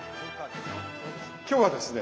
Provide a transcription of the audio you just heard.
今日はですね